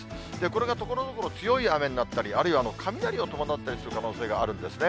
これがところどころ、強い雨になったり、あるいは雷を伴ったりする可能性があるんですね。